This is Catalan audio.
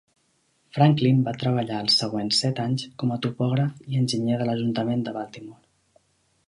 Franklin va treballar els següents set anys com topògraf i enginyer de l'ajuntament de Baltimore.